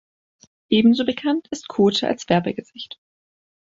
Ebenso bekannt ist Kotke als Werbegesicht.